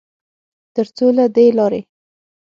ترڅوله دې لارې